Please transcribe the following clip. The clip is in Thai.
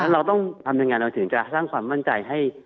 เราต้องทำยังไงเราถึงจะสร้างความมั่นใจให้